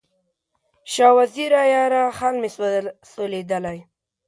شاه وزیره یاره، خال مې سولېدلی